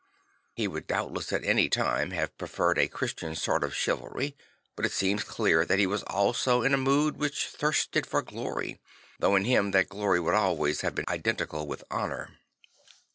He would doubtless at any time have preferred a Christian sort of chivalry; but it seems clear that he was also in a mood which thirsted for glory, though in him that glory would always have been identical with honour.